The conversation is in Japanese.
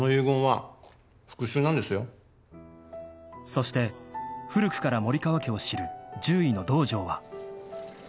［そして古くから森川家を知る獣医の堂上は］